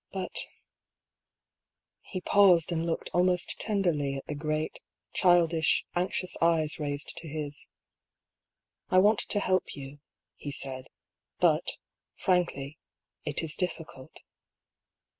But " He paused and looked almost tenderly at the great, childish, anxious eyes raised to his. " I want to help you," he said ;" but, frankly, it is difficult."